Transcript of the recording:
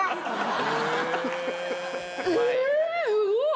えすごっ！